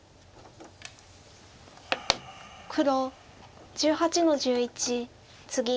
黒１８の十一ツギ。